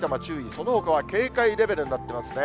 そのほかは警戒レベルになってますね。